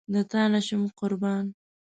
له تانه شم قربان